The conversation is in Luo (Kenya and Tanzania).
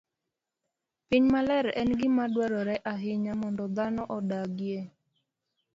Piny maler en gima dwarore ahinya mondo dhano odagie.